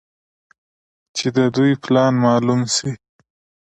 چې د دوى پلان مالوم سي.